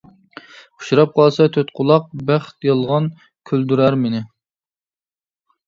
ئۇچراپ قالسا تۆت قۇلاق، بەخت يالغان كۈلدۈرەر مېنى.